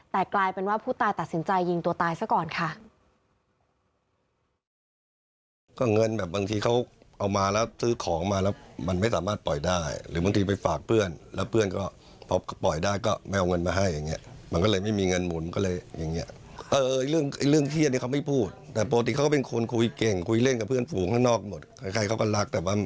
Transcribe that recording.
แต่กลายเป็นว่าผู้ตายตัดสินใจยิงตัวตายซะก่อนค่ะ